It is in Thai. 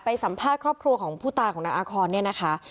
ไปสัมภาษีครอบครัวพูดตากลัวนางอคอน